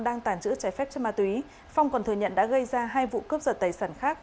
đang tàng trữ trái phép chất ma túy phong còn thừa nhận đã gây ra hai vụ cướp giật tài sản khác